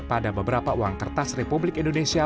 pada beberapa uang kertas republik indonesia